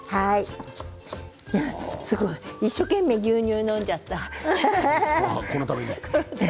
すごい一生懸命牛乳、飲んじゃった。